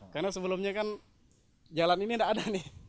karena sebelumnya kan jalan ini tidak ada